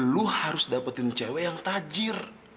lu harus dapetin cewek yang tajir